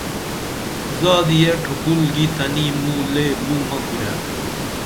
زادیہ ٹُھکُل گی تنی موں لے بُھمہ کُرے